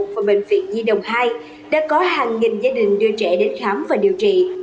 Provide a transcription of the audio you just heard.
và bệnh viện di đồng hai đã có hàng nghìn gia đình đưa trẻ đến khám và điều trị